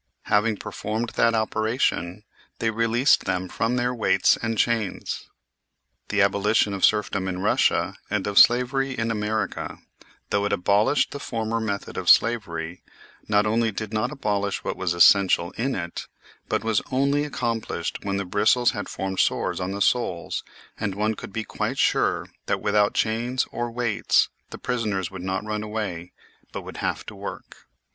Having performed that operation, they released them from their weights and chains. The abolition of serfdom in Eussia and of slavery in America, though it abolished the former method of slavery, not only did not abolish what was essential in it, but was only accomplished when the bristles had formed sores on the soles, and one could be quite sure that without chains or weights the prisoners would not run away, but would have to work.